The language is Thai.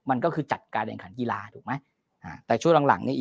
มันก็คือจัดการแข่งขันกีฬาถูกไหมอ่าแต่ช่วงหลังหลังเนี้ยอ